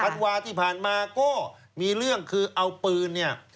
ธันวาที่ผ่านมาก็มีเรื่องคือเอาปืนเนี่ย